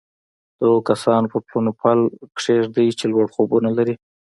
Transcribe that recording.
د هغو کسانو پر پلونو پل کېږدئ چې لوړ خوبونه لري